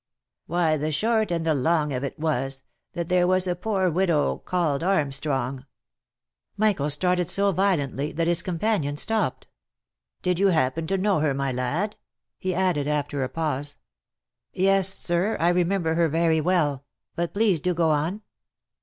" Why the short and the long of it was, that there was a poor widow called Armstrong* —" Michael started so violently, that his companion stopped. " Did you happen to know her, my lad V he added, after a pause. " Yes, sir, I remember her very well — but please to go on."